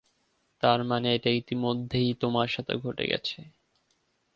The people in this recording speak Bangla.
তার মানে এটা ইতোমধ্যেই তোমার সাথে ঘটে গেছে।